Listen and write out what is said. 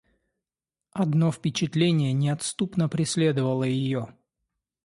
Одно впечатление неотступно преследовало ее.